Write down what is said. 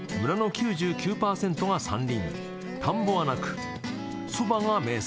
村の９９％が山林。